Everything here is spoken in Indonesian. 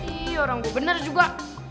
ih orang gue bener juga